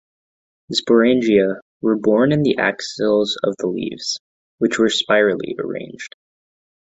The sporangia were borne in the axils of the leaves, which were spirally arranged.